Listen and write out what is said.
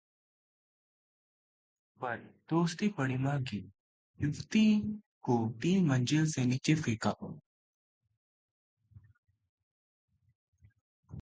Facebook पर दोस्ती पड़ी महंगी, युवती को तीन मंजिल से नीचे फेंका